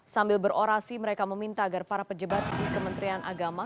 sambil berorasi mereka meminta agar para pejabat di kementerian agama